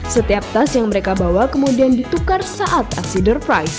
setiap tas yang mereka bawa kemudian ditukar saat aksi dear price